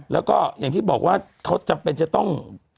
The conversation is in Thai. แล้วก็อย่างที่บอกว่าเขาจำเป็นจะต้อง